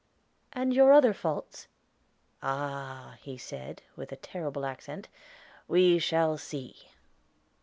"And your other faults?" "Ah!" he said, with a terrible accent, "we shall see."